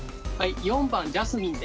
４番ジャスミンで。